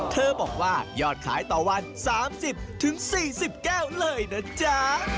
เธอบอกว่ายอดขายต่อวัน๓๐๔๙บาทเลยนะจ๊ะ